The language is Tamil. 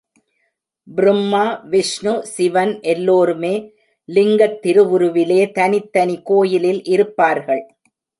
பிரும்மா, விஷ்ணு, சிவன் எல்லோருமே லிங்கத் திருவுருவிலே தனித் தனி கோயிலில் இருப்பார்கள்.